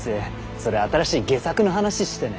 それ新しい戯作の話してね？